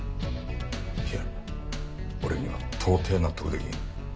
いや俺には到底納得できん。